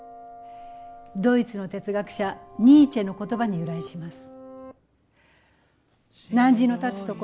ドイツの哲学者ニーチェの言葉に由来します。